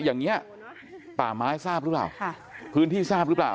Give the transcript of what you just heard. อย่างนี้ป่าไม้ทราบหรือเปล่าค่ะพื้นที่ทราบหรือเปล่า